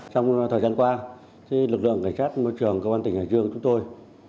trong thời gian qua lực lượng cảnh sát môi trường công an tỉnh hải dương chúng tôi